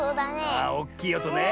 ああおっきいおとね。